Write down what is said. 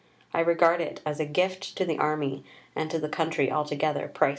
I regard it as a gift to the Army, and to the country altogether priceless."